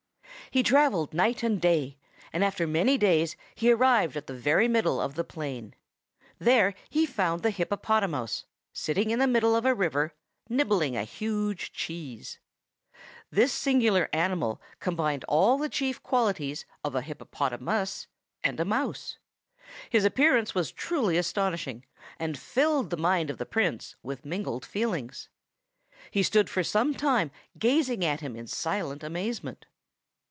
He travelled night and day, and after many days he arrived at the very middle of the plain. There he found the hippopotamouse, sitting in the middle of a river, nibbling a huge cheese. This singular animal combined all the chief qualities of a hippopotamus and a mouse. His appearance was truly astonishing, and filled the mind of the Prince with mingled feelings. He stood for some time gazing at him in silent amazement.